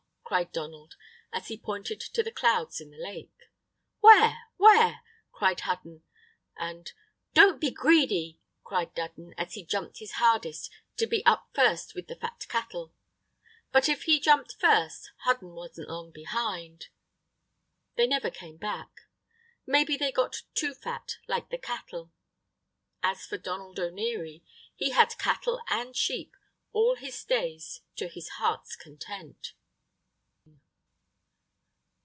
cried Donald, as he pointed to the clouds in the lake. "Where? where?" cried Hudden, and "Don't be greedy!" cried Dudden, as he jumped his hardest to be up first with the fat cattle. But if he jumped first, Hudden wasn't long behind. They never came back. Maybe they got too fat, like the cattle. As for Donald O'Neary, he had cattle and sheep all his days to his heart's content.